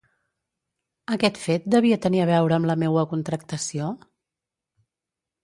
Aquest fet devia tenir a veure amb la meua contractació?